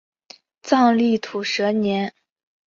藏历土蛇年。